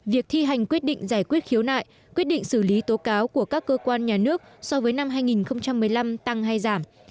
việc thi hành quyết định giải quyết khiếu nại quyết định xử lý tố cáo của các cơ quan nhà nước so với năm hai nghìn một mươi năm tăng hay giảm